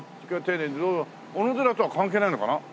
おのでらとは関係ないのかな？